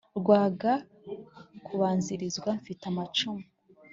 Rwanga kubanzilizwa mfite amacumu,